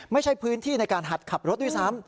ไม่ใช่พื้นที่ในการหัดขับรถด้วยซ้ำ